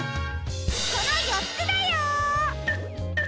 このよっつだよ！